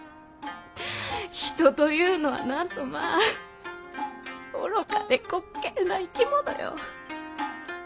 人というのはなんとまぁ愚かで滑稽な生き物よ。